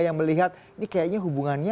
ya panas lah